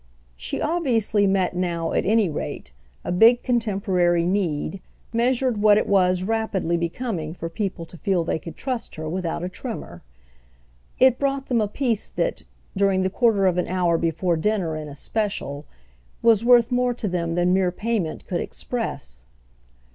She obviously met now, at any rate, a big contemporary need, measured what it was rapidly becoming for people to feel they could trust her without a tremor. It brought them a peace that—during the quarter of an hour before dinner in especial—was worth more to them than mere payment could express.